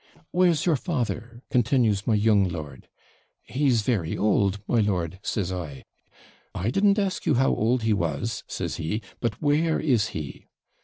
'Where's your father?' continues my young lord. ' He's very ould, my lord,' says I. 'I didn't ask you how ould he was,' says he; 'but where is he?'